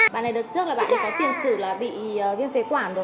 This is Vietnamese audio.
bạn này đợt trước là bạn ấy có tiền xử bị viêm phế quản rồi